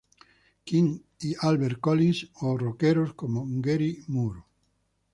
King y Albert Collins o rockeros como Gary Moore.